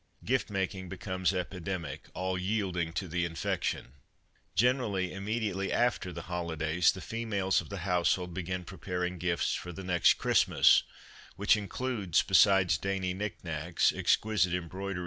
Gift making becomes epidemic, all yielding to the infection. Generally, immediately after the holidays the females of the household begin pre paring gifts for the next Christmas, which include, besides dainty knick knacks, exquisite embroideries 4 s H STM^' *'*■" 1 ^ PC 03 2 3 Q.